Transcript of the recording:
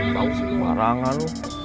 bau si kemarangan lu